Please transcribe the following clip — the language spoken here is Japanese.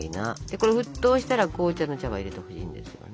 これ沸騰したら紅茶の茶葉を入れてほしいんですよね。